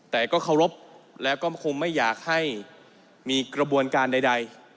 แต่ก็เคารพแล้วก็คงไม่อยากให้มีกระบวนการใด